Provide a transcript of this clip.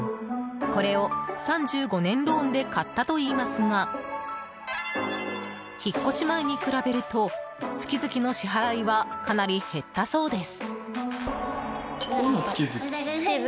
これを３５年ローンで買ったといいますが引っ越し前に比べると月々の支払いはかなり減ったそうです。